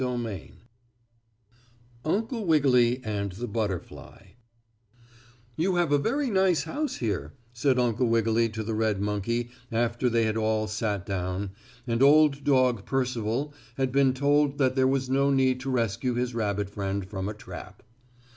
STORY XX UNCLE WIGGILY AND THE BUTTERFLY "You have a very nice house here," said Uncle Wiggily to the red monkey after they had all sat down, and Old Dog Percival had been told that there was no need to rescue his rabbit friend from a trap.